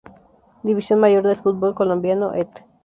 División Mayor del Fútbol Colombiano, ed.